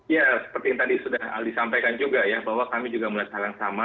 ya seperti yang tadi sudah aldi sampaikan juga ya bahwa kami juga melihat hal yang sama